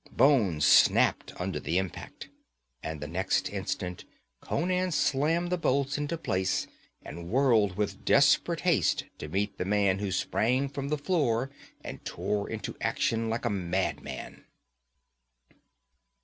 Bones snapped under the impact, and the next instant Conan slammed the bolts into place and whirled with desperate haste to meet the man who sprang from the floor and tore into action like a madman.